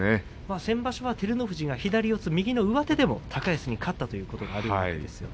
先場所は照ノ富士が右の上手でも高安に勝ったということもありました。